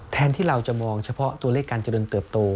แทนที่เราจะมองเฉพาะตัวเลขการเจริญเติบโต